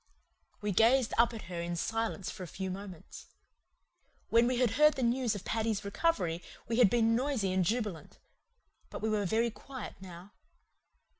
We gazed up at her in silence for a few moments. When we had heard the news of Paddy's recovery we had been noisy and jubilant; but we were very quiet now.